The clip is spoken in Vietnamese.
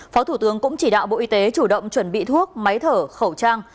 phó thủ tướng cũng chỉ đạo bộ y tế chủ động chuẩn bị thuốc máy thở khẩu trang